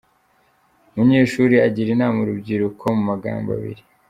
Munyeshuri agira anama urubyiruko mu magambo abiri.